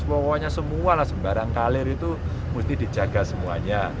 pokoknya semua lah sembarang kaler itu mesti dijaga semuanya